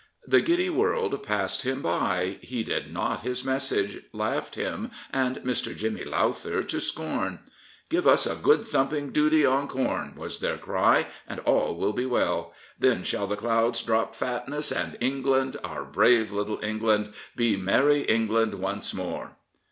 The giddy world passed him by, heeded not his message, laughed him and Mr. Jimmy" Lowther to scorn. ''Give us a good thumping duty on corn," was their cry, " and all will be well. Then shall the clouds drop fatness, and England, our brave little England, be merry England once more."